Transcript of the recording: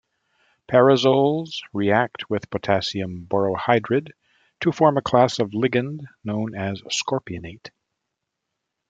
Pyrazoles react with potassium borohydride to form a class of ligands known as scorpionate.